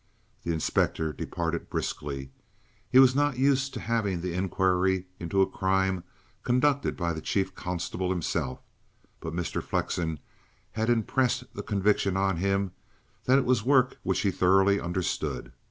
The inspector departed briskly. He was not used to having the inquiry into a crime conducted by the Chief Constable himself; but Mr. Flexen had impressed the conviction on him that it was work which he thoroughly understood.